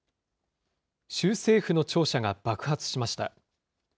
州政府の庁舎が爆発しました。